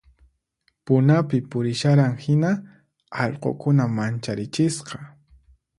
Punapi purisharan hina allqukuna mancharichisqa